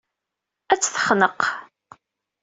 Ad t-texneq.